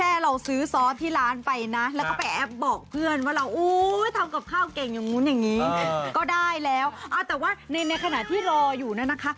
อย่างงี้ก็ได้แล้วอ่าแต่ว่าในในขณะที่รออยู่น่ะนะคะ